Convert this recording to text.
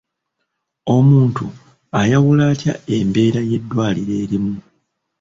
Omuntu ayawula atya embeera y'eddwaliro erimu?